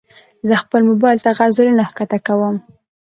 زه خپل موبایل ته غزلونه ښکته کوم.